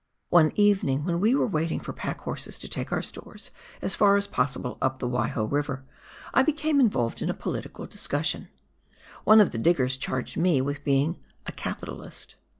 One evening, when we were waiting for pack horses to take our stores as far as possible up the AYaiho E iver, I became involved in a political discussion. One of the diggers charged me with being " a capitalist."